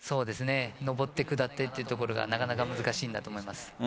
上って下ってというところがなかなか難しいなと思います。